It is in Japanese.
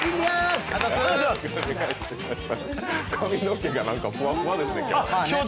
髪の毛がなんかふわふわですね、今日。